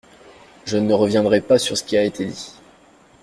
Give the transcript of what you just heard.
Je ne reviendrai pas sur ce qui a été dit.